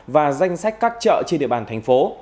và danh sách các chợ trên địa bàn thành phố